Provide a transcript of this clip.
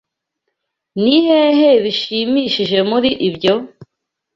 Ni hehe bishimishije muri ibyo?